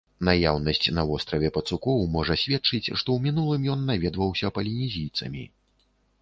Наяўнасць на востраве пацукоў можа сведчыць, што ў мінулым ён наведваўся палінезійцамі.